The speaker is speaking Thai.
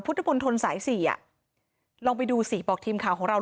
พุทธมนตรสายสี่อ่ะลองไปดูสิบอกทีมข่าวของเรา